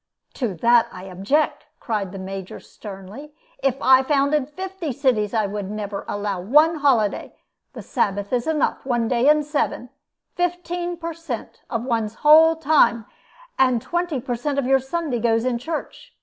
"To that I object," cried the Major, sternly. "If I founded fifty cities, I would never allow one holiday. The Sabbath is enough; one day in seven fifteen per cent, of one's whole time; and twenty per cent, of your Sunday goes in church.